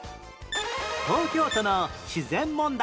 東京都の自然問題